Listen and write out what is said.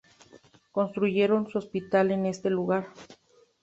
Construyeron su hospital en este lugar.